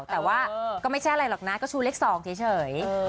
แต่ว่าก็ไม่ใช่อะไรหรอกนะก็ชูเลข๒เฉย